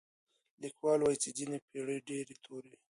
ليکوال وايي چي ځينې پېړۍ ډېرې تورې وې.